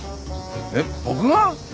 えっ僕が？